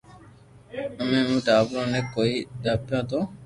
اي مون ٽاڀرو بي ڪوئي داپئي تو